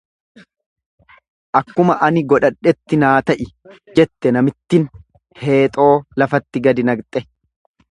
Akkuma ani godhadhetti naa ta'i, jette namittin heexoo lafatti gadi naqxe.